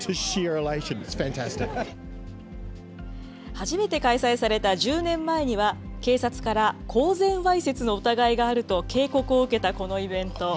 初めて開催された１０年前には、警察から、公然わいせつの疑いがあると警告を受けたこのイベント。